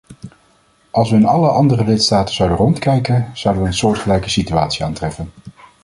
Als we in alle andere lidstaten zouden rondkijken, zouden we een soortgelijke situatie aantreffen.